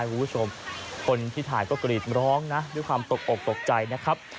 คุณผู้ชมคนที่ถ่ายก็กรีดร้องนะด้วยความตกอกตกใจนะครับ